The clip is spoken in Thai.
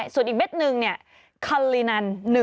ส่วนอีกเม็ดหนึ่งคันลินัน